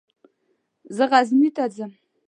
زه غزني ته ځم.